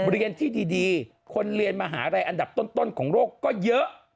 เรียนที่ดีคนเรียนมหาลัยอันดับต้นของโลกก็เยอะ